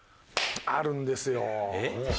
あるんですよ！